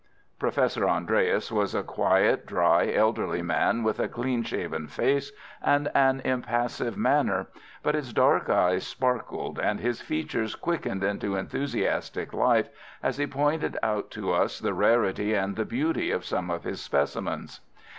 Professor Andreas was a quiet, dry, elderly man, with a clean shaven face and an impassive manner, but his dark eyes sparkled and his features quickened into enthusiastic life as he pointed out to us the rarity and the beauty of some of his specimens.